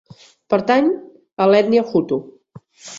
Pertany a l'ètnia hutu.